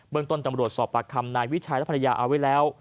ต้นตำรวจสอบปากคำนายวิชัยและภรรยาเอาไว้แล้ว